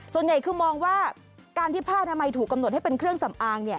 ส่วนใหญ่คือมองว่าการที่ผ้าอนามัยถูกกำหนดให้เป็นเครื่องสำอาง